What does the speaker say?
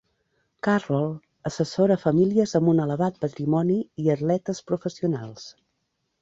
Carroll assessora famílies amb un elevat patrimoni i atletes professionals.